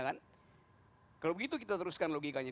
kalau begitu kita teruskan logikanya